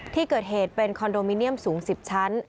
ที่เกิดเหตุเป็นคอนโดมิเนียมสูง๑๐ชั้น